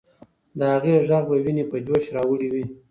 د هغې ږغ به ويني په جوش راوړي وي.